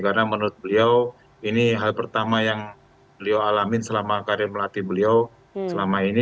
karena menurut beliau ini hal pertama yang beliau alami selama karir melatih beliau selama ini